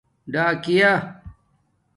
ڈاکِیہ